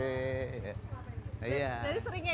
iya jadi seringnya